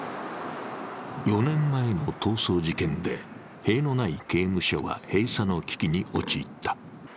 ４年前の逃走事件で、塀のない刑務所は閉鎖の危機に陥った。